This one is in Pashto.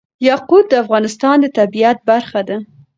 یاقوت د افغانستان د طبیعت برخه ده.